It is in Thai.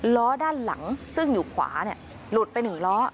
ล้อด้านหลังซึ่งอยู่ขวาหลุดไป๑ล้อ